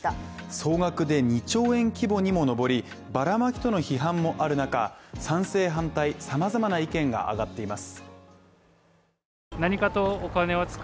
総額で２兆円規模にも上り、バラマキとの批判もある中、賛成反対、様々な意見が上がっています。